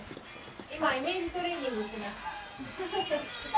今イメージトレーニングしてました。